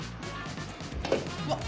うわっ！